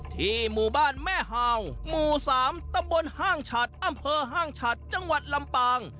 ที่หมู่บ้านแม่ฮาวหมู่๓ตำบลห้างฉัดอำเภอห้างฉัดจังหวัดลำปาง